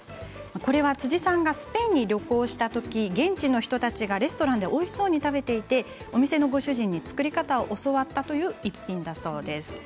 これは辻さんがスペインに旅行したとき現地の人たちがレストランでおいしそうに食べていてお店のご主人に作り方を教わったという一品だそうです。